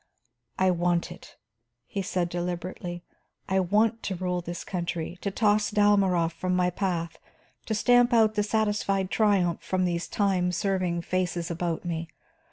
"I want it," he said deliberately. "I want to rule this country, to toss Dalmorov from my path, to stamp out the satisfied triumph from these time serving faces about me.